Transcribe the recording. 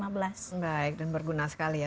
baik dan berguna sekali ya